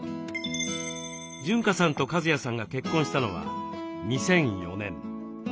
潤香さんと和也さんが結婚したのは２００４年。